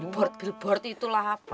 board billboard itu lah apa